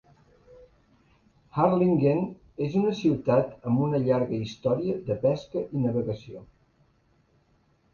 Harlingen és una ciutat amb una llarga història de pesca i navegació.